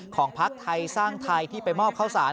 พักไทยสร้างไทยที่ไปมอบข้าวสาร